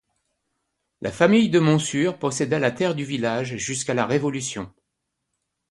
La famille de Monsures posséda la terre du village jusqu'à la Révolution.